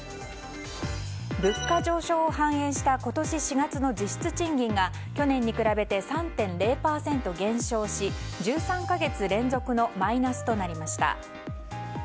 物価上昇を反映した今年４月の実質賃金が去年に比べて３．０％減少し１３か月連続のマイナスとなりました。